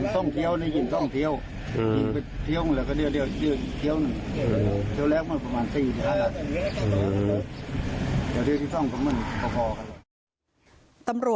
ต้องเทียวได้ยินต้องเทียวเออไปเทียวแล้วก็เดียวเดียว